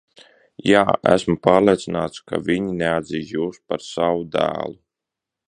Jā, esmu pārliecināts, ka viņi neatzīs jūs par savu dēlu.